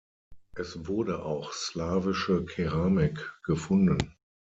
Es wurde auch slawische Keramik gefunden.